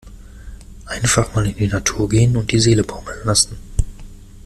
Einfach mal in die Natur gehen und die Seele baumeln lassen!